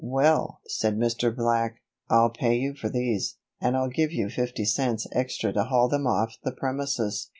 "Well," said Mr. Black, "I'll pay you for these, and I'll give you fifty cents extra to haul them off the premises.